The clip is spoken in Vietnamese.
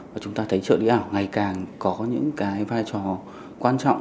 và chúng ta thấy trợ lý ảo ngày càng có những cái vai trò quan trọng